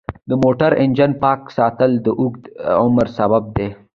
د موټر انجن پاک ساتل د اوږد عمر سبب دی.